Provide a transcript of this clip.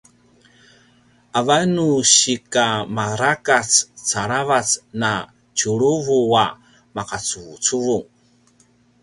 avan nu sika marakac aravac na tjuruvu a maqacuvucuvung